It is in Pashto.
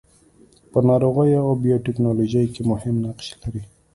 په ناروغیو او بیوټیکنالوژي کې مهم نقش لري.